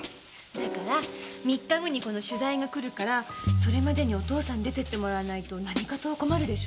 だから３日後にこの取材が来るからそれまでにお父さんに出て行ってもらわないと何かと困るでしょ？